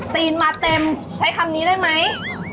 ตีนมาเต็มใช้คำนี้ได้ไหม